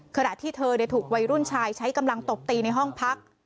ขณะที่เธอถูกวัยรุ่นชายใช้กำลังตบตีในห้องพัก